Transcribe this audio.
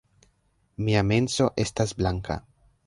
Mia menso estas blanka